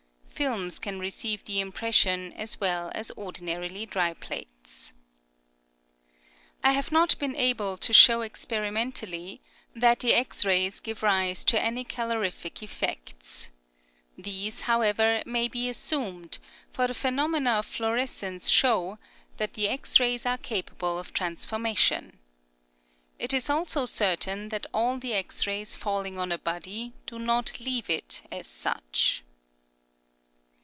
Films can receive the impression as well as ordinarly dry plates. I have not been able to show experimen tally that the X rays give rise to any calo rific effects. These, however, may be as sumed, for the phenomena of fluorescence show that the X rays are capable of trans formation. It is also certain that all the X rays falling on a body do not leave it as such.